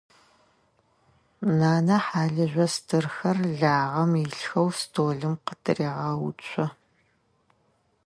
Нанэ хьалыжъо стырхэр лагъэм илъхэу столым къытырегъэуцо.